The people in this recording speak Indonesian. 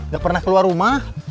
gak pernah keluar rumah